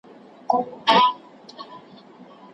چي مو شپې په روڼولې چي تیارې مو زنګولې